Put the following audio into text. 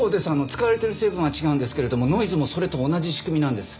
使われている成分は違うんですけれどもノイズもそれと同じ仕組みなんです。